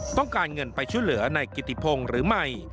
ต้องการเงินไปช่วยเหลือนายกิติพงศ์หรือไม่